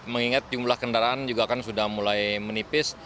mengingat jumlah kendaraan juga kan sudah mulai menipis